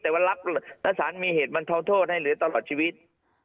แต่ว่ารับหน้าศาสนีมีเหตุบรรคลองโทษให้เหลือตลอดชีวิต